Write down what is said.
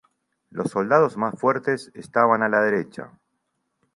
Los soldados más fuertes estaban a la derecha.